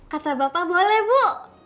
kata bapak boleh bu